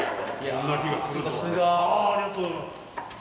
ありがとうございます。